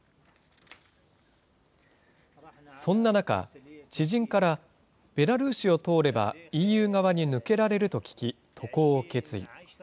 そんな中、知人からベラルーシを通ればＥＵ側に抜けられると聞き、渡航を決意。